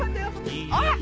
あっ！